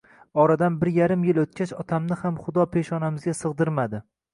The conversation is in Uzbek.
Oradan bir yarim yil o'tgach, otamni ham Xudo peshonamizga sig'dirmadi